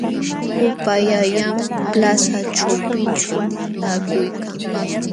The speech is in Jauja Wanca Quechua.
Upaallallaam plaza ćhawpinćhu taakuykan.